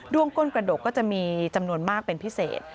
้วงก้นกระดกก็จะมีจำนวนมากเป็นพิเศษ